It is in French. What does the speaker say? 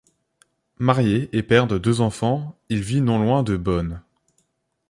Marié et père de deux enfants, il vit non loin de Bonn.